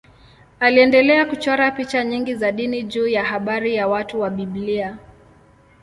Aliendelea kuchora picha nyingi za dini juu ya habari na watu wa Biblia.